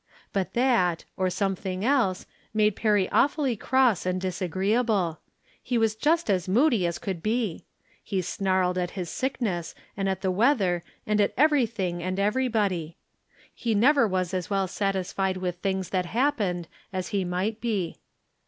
But that, or something else, made Perry awfully cross and disagreeable. He was just as moody as he could be. He snarled at his sickness, and at the weather, and at every thing and every body. He never was as well sat isfied 'with things that happened as he might be.